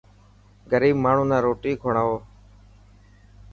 غريب ماڻهون نا روٽي کوڙائون.